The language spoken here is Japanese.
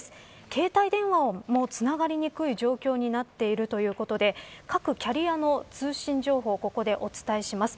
携帯電話もつながりにくい状況になっているということで各キャリアの通信情報をここでお伝えします。